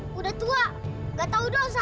sudah tua nggak tahu dosa